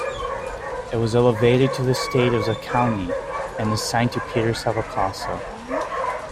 It was elevated to the status of county, and assigned to Peter Salvacossa.